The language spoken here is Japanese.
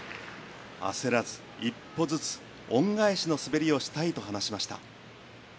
焦らず、一歩ずつ恩返しの滑りをしたいと話しました。